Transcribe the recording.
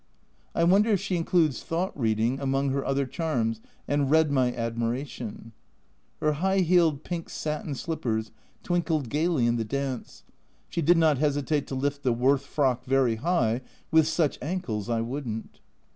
I wonder if she includes thought reading among her other charms and read my admiration ? Her high heeled pink satin slippers twinkled gaily in the dance; she did not hesitate to lift the Worth frock very high with such ankles I wouldn't